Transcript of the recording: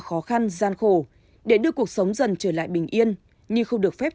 khó khăn gian khổ để đưa cuộc sống dần trở lại bình yên như không được phép